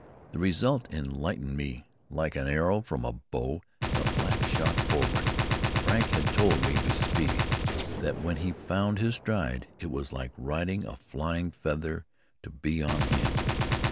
The result enlightened me. Like an arrow from a bow, the black shot forward. Frank had told me of his speed, that when he found his stride it was like riding a flying feather to be on him.